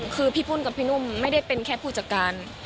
คือพี่พ่นกับพี่นุ่มไม่ได้เป็นแค่ผู้จัดการ